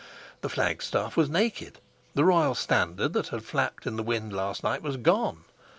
The flag staff was naked; the royal standard that had flapped in the wind last night was gone.